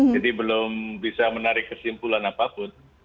jadi belum bisa menarik kesimpulan apapun